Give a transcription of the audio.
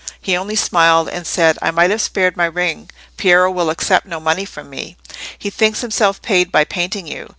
He only smiled and said— "I might have spared my ring; Piero will accept no money from me; he thinks himself paid by painting you.